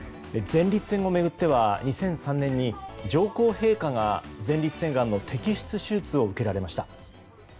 前立腺を巡っては２００３年に上皇陛下が前立腺がんの摘出手術を受けられました。